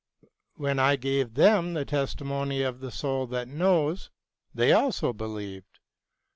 When I gave them the testimony of the soul that knows they also believed.